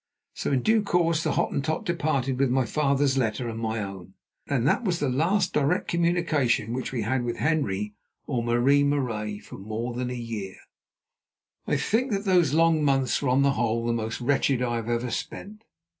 So in due course the Hottentot departed with my father's letter and my own, and that was the last direct communication which we had with Henri or Marie Marais for more than a year. I think that those long months were on the whole the most wretched I have ever spent.